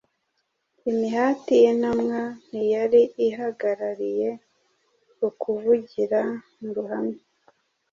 Imihati y’intumwa ntiyari ihagarariye ku kuvugira mu ruhame;